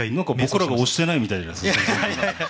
僕らが押してないみたいじゃん。